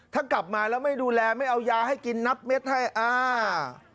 ถ้ากลับมาแล้วไม่ดูแลไม่เอายาให้กินนับเม็ดให้อ่า